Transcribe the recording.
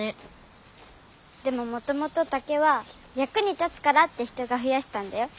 でももともと竹はやくに立つからって人がふやしたんだよ。